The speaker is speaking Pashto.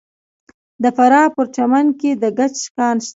د فراه په پرچمن کې د ګچ کان شته.